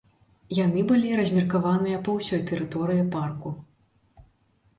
Яны былі размеркаваныя па ўсёй тэрыторыі парку.